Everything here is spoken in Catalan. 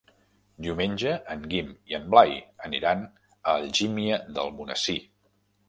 Diumenge en Guim i en Blai aniran a Algímia d'Almonesir.